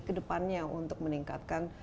ke depannya untuk meningkatkan